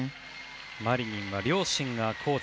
マリニンは両親がコーチ。